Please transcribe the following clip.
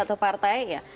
satu partai ya